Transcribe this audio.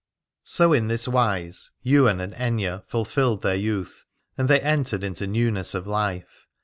So in this wise Ywain and Aithne fulfilled their youth, and they entered into newness of life.